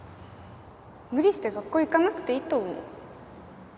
無理して学校行かなくていいと思う